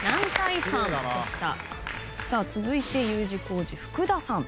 さあ続いてＵ字工事福田さん。